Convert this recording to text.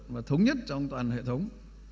và thống nhất trong toàn hệ thống